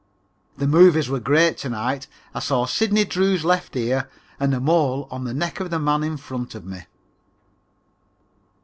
The movies were great to night. I saw Sidney Drew's left ear and a mole on the neck of the man in front of me.